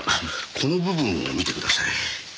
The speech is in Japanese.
この部分を見てください。